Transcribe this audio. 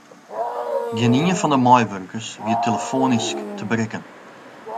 Gjinien fan de meiwurkers wie telefoanysk te berikken.